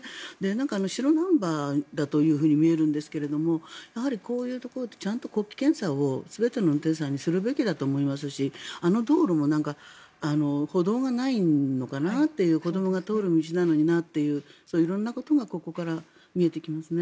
白ナンバーだというふうに見えるんですがやはりこういうところでちゃんと呼気検査を全ての運転手さんにするべきだと思いますしあの道路も歩道がないのかなっていう子どもが通る道なのになっていうそういう色んなことがここから見えてきますね。